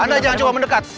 anda jangan coba mendekat